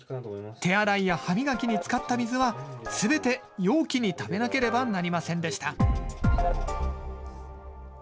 手洗いや歯磨きに使った水はすべて容器にためなければなりませんでした。